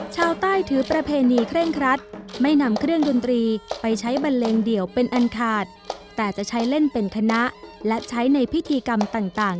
ชาวใต้ถือประเพณีเคร่งครัดไม่นำเครื่องดนตรีไปใช้บันเลงเดี่ยวเป็นอันขาดแต่จะใช้เล่นเป็นคณะและใช้ในพิธีกรรมต่าง